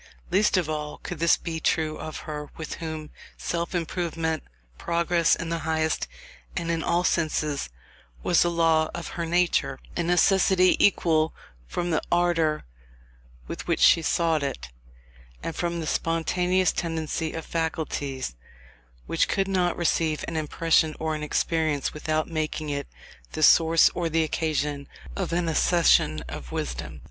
Least of all could this be true of her, with whom self improvement, progress in the highest and in all senses, was a law of her nature; a necessity equally from the ardour with which she sought it, and from the spontaneous tendency of faculties which could not receive an impression or an experience without making it the source or the occasion of an accession of wisdom.